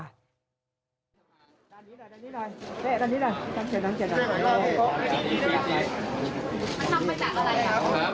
อันนี้หน่อยอะไรครับ